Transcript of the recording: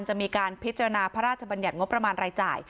จะมีการพิจารณาพระราชบัญญัติงบประมาณรายจ่าย